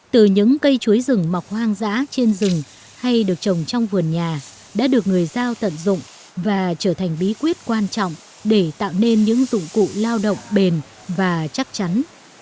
từ những cây chuối rừng mọc hoang dã trên rừng hay được trồng trong vườn nhà đã được người giao tận dụng và trở thành bí quyết quan trọng để tạo nên những dụng cụ lao động bền và chắc chắn